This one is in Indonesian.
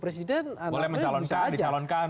presiden boleh mencalonkan dicalonkan